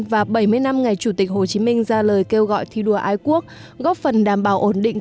và bảy mươi năm ngày chủ tịch hồ chí minh ra lời kêu gọi thi đua ái quốc góp phần đảm bảo ổn định